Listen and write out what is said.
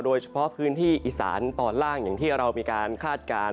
โดยเฉพาะพื้นที่อีสานตอนล่างอย่างที่เรามีการคาดการณ์